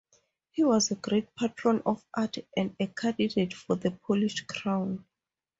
He was a great patron of arts and a candidate for the Polish crown.